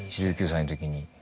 １９歳のときに。